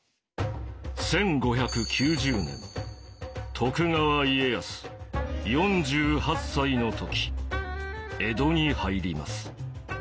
１５９０年徳川家康４８歳の時江戸に入ります。